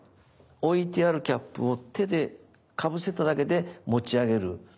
置いてあるキャップを手でかぶせただけで持ち上げる。